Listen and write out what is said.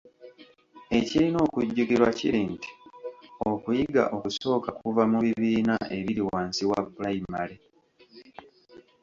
Ekirina okujjukirwa kiri nti okuyiga okusooka kuva mu bibiina ebiri wansi wa pulayimale.